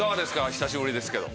久しぶりですけど。